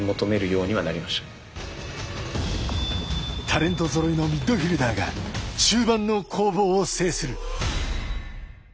タレントぞろいのミッドフィルダーが中盤の攻防を制する。